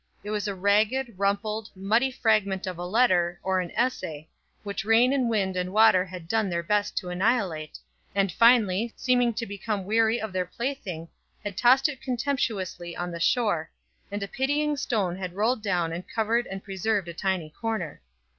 It was a ragged, rumpled, muddy fragment of a letter, or an essay, which rain and wind and water had done their best to annihilate, and finally, seeming to become weary of their plaything, had tossed it contemptuously on the shore, and a pitying stone had rolled down and covered and preserved a tiny corner.